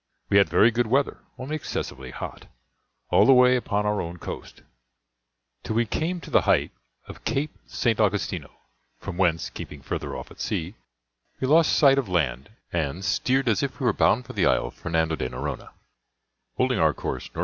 We had very good weather, only excessively hot, all the way upon our own coast, till we came to the height of Cape St. Augustino; from whence, keeping further off at sea, we lost sight of land, and steered as if we were bound for the isle Fernando de Noronha, holding our course N. E.